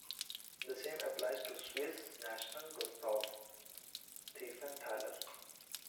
The same applies to Swiss national Gustav Thiefenthaler.